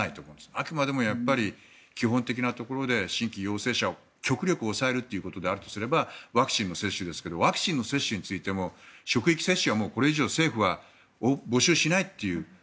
あくまでもやっぱり基本的なところで新規陽性者を極力抑えるということであるとすればワクチンの接種ですがワクチンの接種についても職域接種はこれ以上政府は募集しないという。